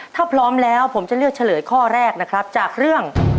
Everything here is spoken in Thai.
ถ้าพร้อมแล้วผมจะเลือกเฉลยข้อแรกนะครับจากเรื่อง